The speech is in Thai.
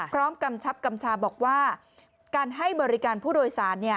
กำชับกำชาบอกว่าการให้บริการผู้โดยสาร